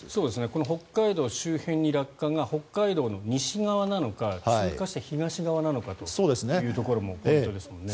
この北海道周辺に落下が北海道の西側なのか通過して東側なのかもポイントですもんね。